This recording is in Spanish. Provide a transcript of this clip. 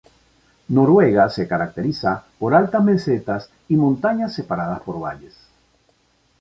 Noruega se caracteriza por altas mesetas y montañas separadas por valles.